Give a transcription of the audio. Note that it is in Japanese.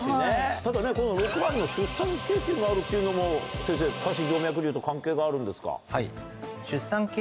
ただねこの６番の「出産経験がある」っていうのも先生下肢静脈瘤と関係があるんですか？